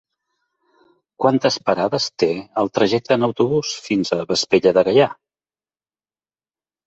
Quantes parades té el trajecte en autobús fins a Vespella de Gaià?